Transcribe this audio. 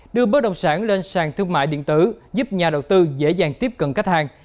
đưa bất động sản lên sàn thương mại điện tử giúp nhà đầu tư dễ dàng tiếp cận khách hàng